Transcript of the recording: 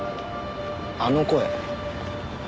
あの声？